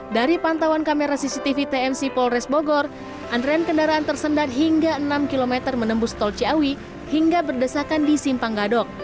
dari pantauan kamera cctv tmc polres bogor antrean kendaraan tersendat hingga enam km menembus tol ciawi hingga berdesakan di simpang gadok